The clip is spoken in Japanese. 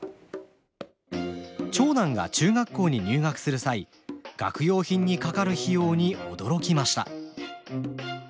長男が中学校に入学する際学用品にかかる費用に驚きました。